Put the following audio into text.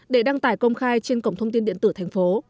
để đăng tải công khai trên cổng thông tin điện tử thành phố